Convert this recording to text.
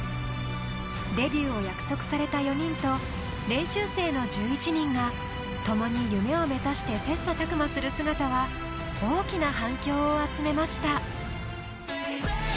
デビューを約束された４人と練習生の１１人が共に夢を目指して切磋琢磨する姿は大きな反響を集めました。